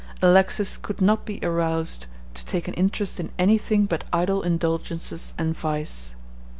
Alexis could not be aroused to take an interest in any thing but idle indulgences and vice.